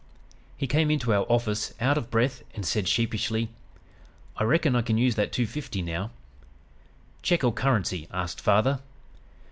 "He came into our office out of breath and said sheepishly: "'I reckon I can use that two fifty now.' "'Check or currency?' asked father.